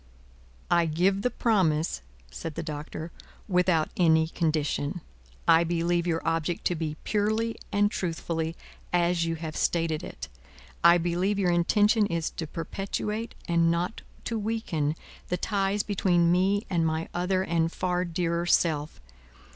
"I give the promise," said the Doctor, "without any condition. I believe your object to be, purely and truthfully, as you have stated it. I believe your intention is to perpetuate, and not to weaken, the ties between me and my other and far dearer self.